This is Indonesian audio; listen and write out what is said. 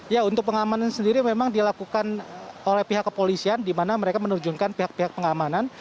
ya untuk pengamanan sendiri memang dilakukan oleh pihak kepolisian di mana mereka menerjunkan pihak pihak pengamanan